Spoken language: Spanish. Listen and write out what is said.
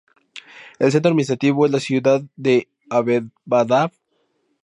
El centro administrativo es la ciudad de Ahmedabad.